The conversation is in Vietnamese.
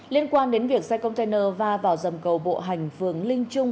liên quan đến việc xây container và vào dầm cầu bộ hành phường linh trung